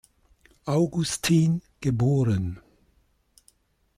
Augustin, geboren.